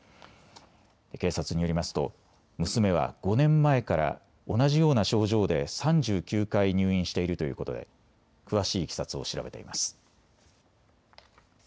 警察によりますと娘は５年前から同じような症状で３９回入院しているということで詳しいいきさつを調べています。